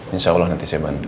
insya allah nanti saya bantu